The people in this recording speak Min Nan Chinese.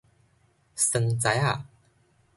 桑材仔